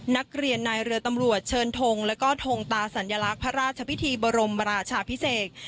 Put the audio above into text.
นักเรียนนายเรือตำรวจเชิญทงแล้วก็ทงตาสัญลักษณ์พระราชพิธีบรมราชาพิเศษ